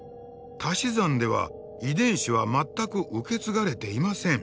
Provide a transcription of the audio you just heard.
たし算では遺伝子は全く受け継がれていません。